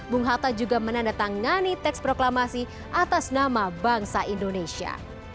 bung hatta juga menandatangani teks proklamasi atas nama bangsa indonesia